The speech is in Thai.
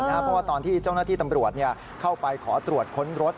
เพราะว่าตอนที่เจ้าหน้าที่ตำรวจเข้าไปขอตรวจค้นรถ